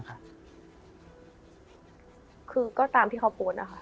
คือก็ตามที่เขาโพสต์นะคะ